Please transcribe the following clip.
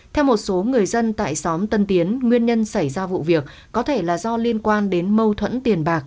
theo một số người dân tại xóm tân tiến nguyên nhân xảy ra vụ việc có thể là do liên quan đến mâu thuẫn tiền bạc